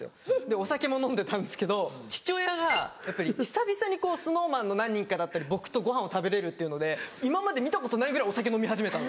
でお酒も飲んでたんですけど父親がやっぱり久々にＳｎｏｗＭａｎの何人かだったり僕とごはんを食べれるっていうので今まで見たことないぐらいお酒飲み始めた。